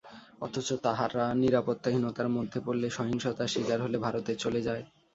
অথচ তারা নিরাপত্তাহীনতার মধ্যে পড়লে, সহিংসতার শিকার হলে ভারতে চলে যায়।